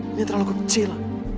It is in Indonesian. ini terlalu kecil